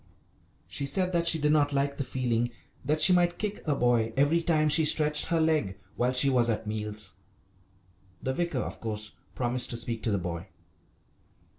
She said that she did not like the feeling that she might kick a boy every time she stretched her leg while she was at meals. The vicar, of course, promised to speak to the boy.